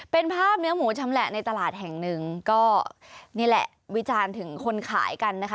เป็นภาพเนื้อหมูชำแหละในตลาดแห่งหนึ่งก็นี่แหละวิจารณ์ถึงคนขายกันนะคะ